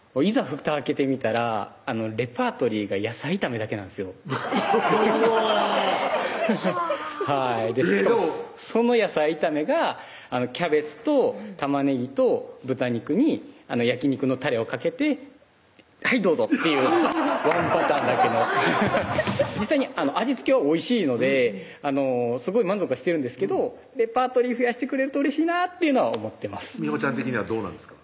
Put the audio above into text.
ふた開けてみたらレパートリーが野菜炒めだけなんですようおはぁえっどうその野菜炒めがキャベツとたまねぎと豚肉に焼き肉のたれをかけて「はいどうぞ」っていうワンパターンだけの実際に味付けはおいしいのですごい満足はしてるんですけどレパートリー増やしてくれるとうれしいなというのは思ってます美帆ちゃん的にはどうなんですか？